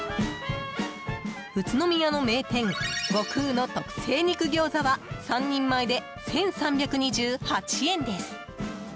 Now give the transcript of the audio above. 宇都宮の名店、悟空の特製肉餃子は３人前で１３２８円です。